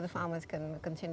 dengan pembangunan dan pembangunan